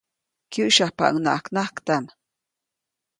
Kyäsyapaʼuŋnaʼak najktaʼm.